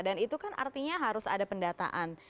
dan itu kan artinya harus ada pendataan